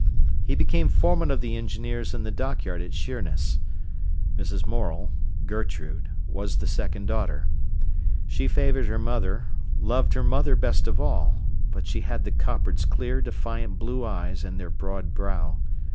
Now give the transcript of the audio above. He became foreman of the engineers in the dockyard at Sheerness. Mrs. Morel—Gertrude—was the second daughter. She favoured her mother, loved her mother best of all; but she had the Coppards' clear, defiant blue eyes and their broad brow.